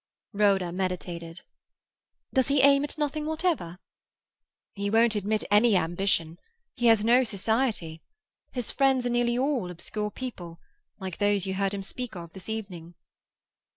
Rhoda meditated. "Does he aim at nothing whatever?" "He won't admit any ambition. He has no society. His friends are nearly all obscure people, like those you heard him speak of this evening."